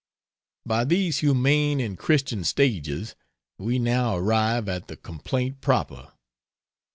By these humane and Christian stages we now arrive at the complaint proper.